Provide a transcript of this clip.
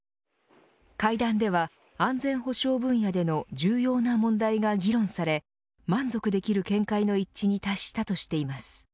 会談では、安全保障分野での重要な問題が議論され満足できる見解の一致に達したとしています。